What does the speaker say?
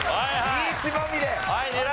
リーチまみれ。